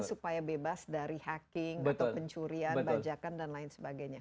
supaya bebas dari hacking atau pencurian bajakan dan lain sebagainya